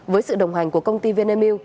với sự đồng hành của công ty vnmu